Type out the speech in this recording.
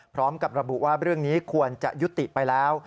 พร้อมกับระบุว่าเรื่องนี้ควรจะยุติไปแล้ว